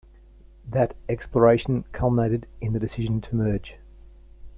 That exploration culminated in the decision to merge.